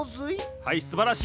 はいすばらしい。